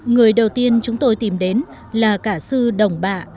người đầu tiên chúng tôi tìm đến là cả sư đồng bạ